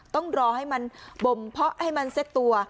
ต้องรอให้มันบ่มเพาะให้มันเซ็ตตัว